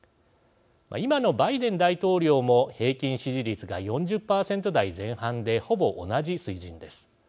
今のバイデン大統領も平均支持率が４０％台前半でほぼ同じ水準です。